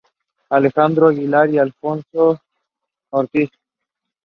Both ran uncontested.